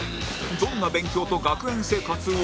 どんな勉強と学園生活を？